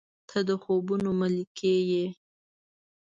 • ته د خوبونو ملکې یې.